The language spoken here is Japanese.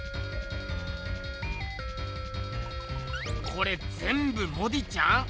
これぜんぶモディちゃん？